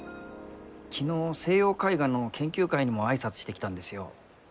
昨日西洋絵画の研究会にも挨拶してきたんですよ。